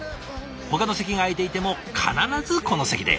ほかの席が空いていても必ずこの席で。